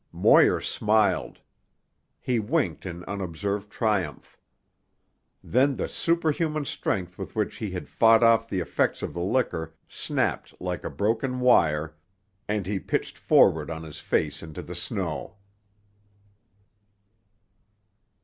Moir smiled. He winked in unobserved triumph. Then the superhuman strength with which he had fought off the effects of the liquor snapped like a broken wire, and he pitched forward on his face into the snow.